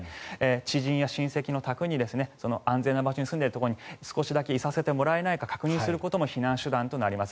知人や親戚の宅に安全な場所に住んでいるところに少しだけいさせてもらえないか確認することも手段となります。